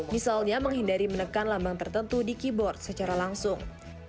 misalnya menghindari menekan lambang tertentu di keyboard secara langsung